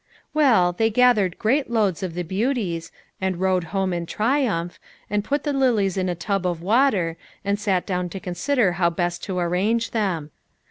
Well, they gathered great loads of the beau ties, and rowed home in triumph, and put the lilies in a tub of water, and sat down to consider how best to arrange them.